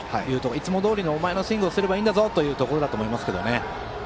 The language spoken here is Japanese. いつもどおりのお前のスイングをすればいいんだぞというところでしょう。